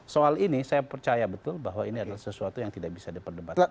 soal ini saya percaya betul bahwa ini adalah sesuatu yang tidak bisa diperdebatkan